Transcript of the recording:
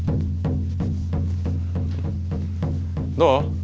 どう？